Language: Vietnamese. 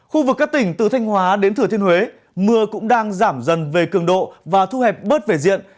khu vực các tỉnh từ thanh hóa đến thừa thiên huế mưa cũng đang giảm dần về cường độ và thu hẹp bớt về diện